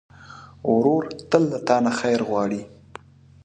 ورور تل له تا نه خیر غواړي.